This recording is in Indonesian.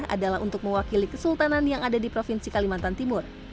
adalah untuk mewakili kesultanan yang ada di provinsi kalimantan timur